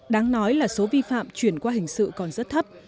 đáng nói là số vi phạm chuyển qua hình sự còn rất thấp